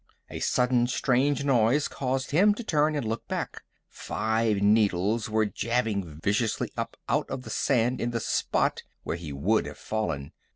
A sudden strange noise caused him to turn and look back. Five needles were jabbing viciously up out of the sand in the spot where he would have fallen.